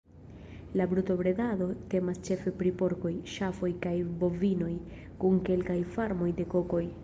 La brutobredado temas ĉefe pri porkoj, ŝafoj kaj bovinoj, kun kelkaj farmoj de kokoj.